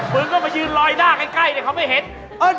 ปืนก็มายืนลอยหน้าใกล้เขาไม่เห็น